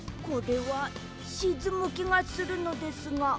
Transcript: これはしずむきがするのですが？